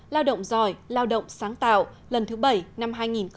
lao động giỏi lao động sáng tạo lần thứ bảy năm hai nghìn một mươi chín